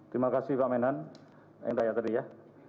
terima kasih pak menhan yang tanya tadi ya